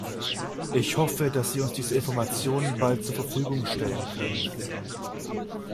Ich hoffe, dass Sie uns diese Informationen bald zur Verfügung stellen können.